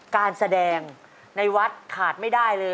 การแสดงในวัดขาดไม่ได้เลย